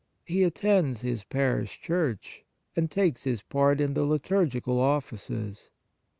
He attends his parish church, and takes his part in the liturgical offices.